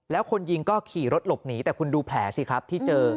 แล้วคนยิงก็ขี่รถหลบหนีแต่คุณดูแผลสิครับที่เจอ